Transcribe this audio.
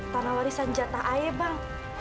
tanah warisan jatah ayah bang